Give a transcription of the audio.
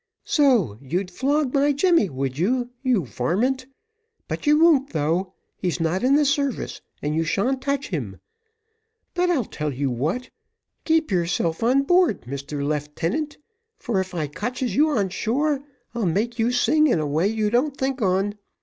"So, you'd flog my Jemmy, would you, you varmint? But you won't though; he's not in the service, and you sha'n't touch him; but I'll tell you what, keep yourself on board, Mr Leeftenant, for if I cotches you on shore, I'll make you sing in a way you don't think on.